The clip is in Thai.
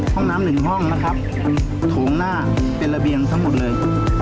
ห้องน้ำหนึ่งห้องนะครับโถงหน้าเป็นระเบียงทั้งหมดเลย